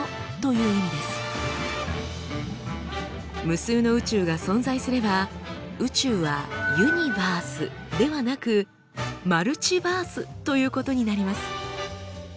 無数の宇宙が存在すれば宇宙は「ユニバース」ではなく「マルチバース」ということになります。